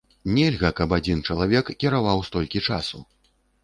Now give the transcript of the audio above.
Нельга, каб адзін чалавек кіраваў столькі часу.